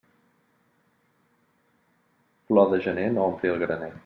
Flor de gener no ompli el graner.